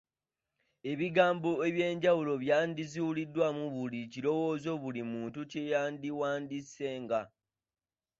Ebigambo eby'enjawulo byandizuuliddwanga mu buli kirowoozo buli muntu kye yandiwandiisenga.